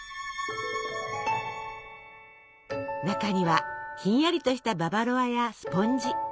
中にはひんやりとしたババロアやスポンジ。